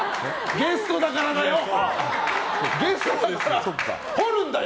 ゲストだからだよ！